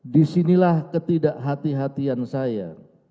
disinilah ketidakhati hatian saya